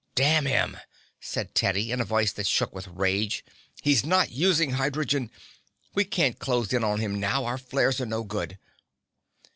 "Damn him!" said Teddy in a voice that shook with rage. "He's not using hydrogen. We can't close in on him now. Our flares are no good."